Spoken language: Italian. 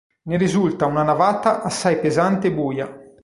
Ne risulta una navata assai pesante e buia.